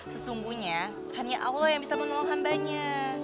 sesungguhnya hanya allah yang bisa menolong hambanya